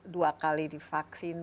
dua kali divaksin